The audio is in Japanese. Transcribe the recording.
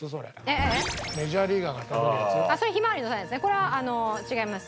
これは違います。